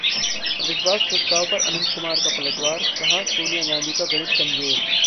अविश्वास प्रस्ताव पर अनंत कुमार का पलटवार, कहा- सोनिया गांधी का गणित कमजोर